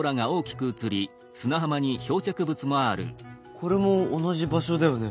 これも同じ場所だよね？